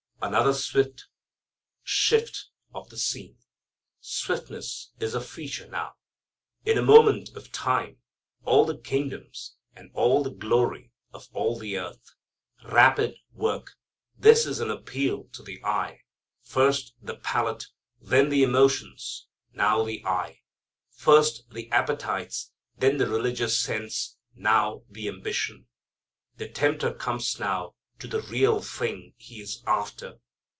Another swift shift of the scene. Swiftness is a feature now. In a moment of time, all the kingdoms, and all the glory of all the earth. Rapid work! This is an appeal to the eye. First the palate, then the emotions, now the eye. First the appetites, then the religious sense, now the ambition. The tempter comes now to the real thing he is after.